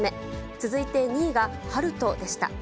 続いて２位が陽翔でした。